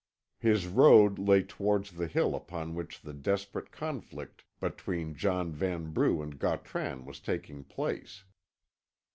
His road lay towards the hill upon which the desperate conflict between John Vanbrugh and Gautran was taking place.